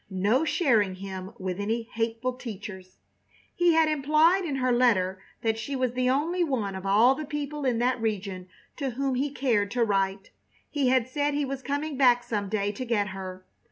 No sharing him with any hateful teachers! He had implied in her letter that she was the only one of all the people in that region to whom he cared to write. He had said he was coming back some day to get her.